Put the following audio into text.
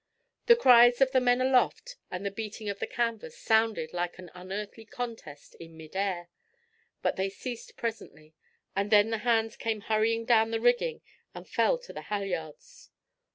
The cries of the men aloft, and the beating of the canvas, sounded like an unearthly contest in mid air; but they ceased presently, and then the hands came hurrying down the rigging and fell to the halyards.